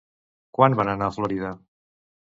Quan van anar a Florida?